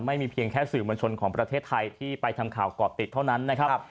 เพียงแค่สื่อมวลชนของประเทศไทยที่ไปทำข่าวก่อติดเท่านั้นนะครับ